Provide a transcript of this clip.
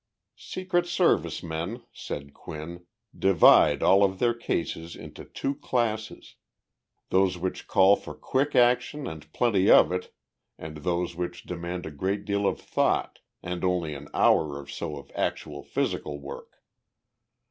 Secret Service men [said Quinn] divide all of their cases into two classes those which call for quick action and plenty of it and those which demand a great deal of thought and only an hour or so of actual physical work.